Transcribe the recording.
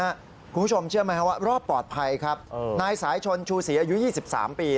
คุณผู้ชมเชื่อไหมครับว่ารอดปลอดภัยครับนายสายชนชูศรีอายุ๒๓ปี